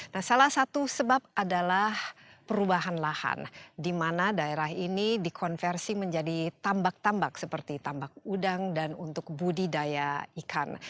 nah salah satu sebab adalah perubahan lahan di mana daerah ini dikonversi menjadi tambak tambak seperti tambak udang dan untuk budidaya ikan